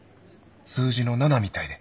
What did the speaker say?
数字の「７」みたいで。